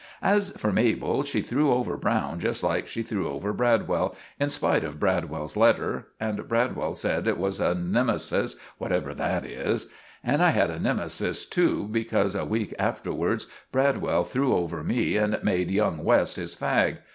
As for Mabel, she threw over Browne just like she threw over Bradwell, in spite of Bradwell's letter; and Bradwell said it was a nemmecis, whatever that is; and I had a nemmecis to, because a week afterwards Bradwell threw over me and made young West his fag.